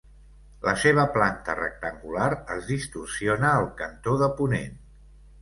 La seva planta rectangular es distorsiona al cantó de ponent.